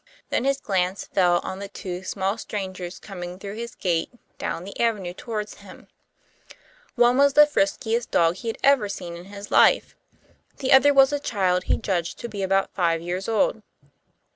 Then his glance fell on the two small strangers coming through his gate down the avenue toward him. One was the friskiest dog he had ever seen in his life. The other was a child he judged to be about five years old.